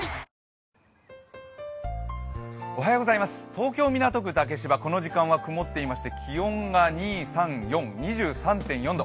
東京・港区竹芝、この時間は曇っていまして気温が２３４、２３．４度。